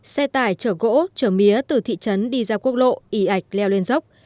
xe tải chở gỗ chở mía từ thị trấn đi ra quốc lộ ý ạch leo lên dốc